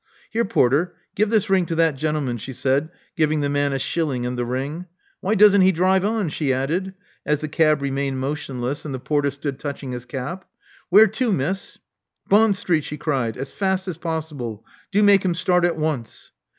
Here, porter: give this ring to that gentleman," she said, giving the man a shilling and the ring. Why doesn't he drive on?" she added, as the cab remained motionless, and the porter stood touching his cap. Where to. Miss?" Bond Street," she cried. As fast as possible. Do make him start at once."